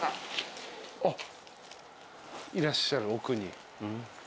いらっしゃる奥に。